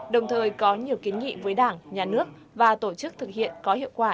đồng thời có nhiều kiến nghị với đảng nhà nước và tổ chức thực hiện có hiệu quả